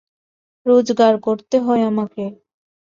রোজগার করতে হয় আমাকে।